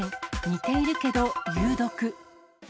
似ているけど有毒。